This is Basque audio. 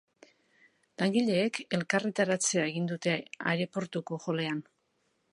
Langileek elkarretaratzea egin dute aireportuko hallean.